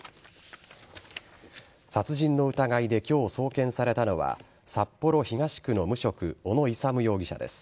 殺人の疑いで今日、送検されたのは札幌東区の無職小野勇容疑者です。